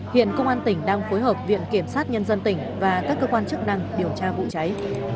hiện công an tỉnh đang phối hợp viện kiểm sát nhân dân tỉnh và các cơ quan chức năng điều tra vụ cháy